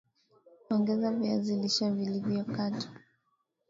Ongeza viazi lishe vilivyokatwa